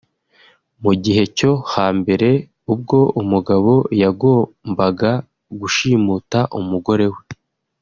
Mu gihe cyo ha mbere ubwo umugabo yagombaga gushimuta umugore we